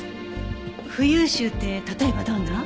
浮遊臭って例えばどんな？